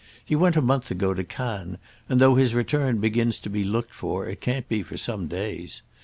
He went a month ago to Cannes and though his return begins to be looked for it can't be for some days.